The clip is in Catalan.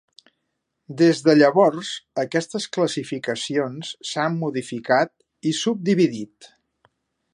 Des de llavors, aquestes classificacions s"han modificat i subdividit.